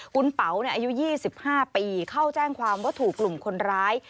คุณเป๋าอายุ๒๕ปีเข้าแจ้งความว่าถูกกลุ่มคนร้าย